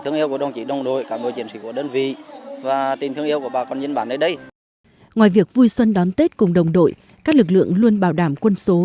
ngoài việc vui xuân đón tết cùng đồng đội các lực lượng luôn bảo đảm quân số